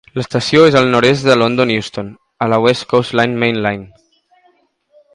L'estació és al nord-oest de London Euston, a la West Coast Main Line.